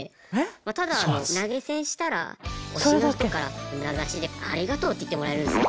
ただ投げ銭したら推しの人から名指しで「ありがとう」って言ってもらえるんですよ。